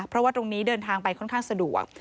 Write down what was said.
เพราะว่าตรงนี้เดินทางไปค่อนข้างสะดวก